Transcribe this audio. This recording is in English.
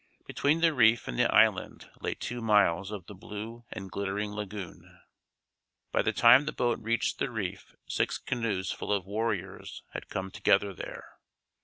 Between the reef and the island lay two miles of the blue and glittering lagoon. By the time the boat reached the reef six canoes full of warriors had come together there.